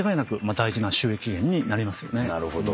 なるほど。